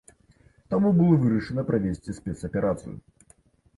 Таму было вырашана правесці спецаперацыю.